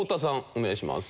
お願いします。